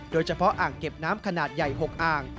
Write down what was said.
โดยเฉพาะอ่างเก็บน้ำขนาดใหญ่๖อ่าง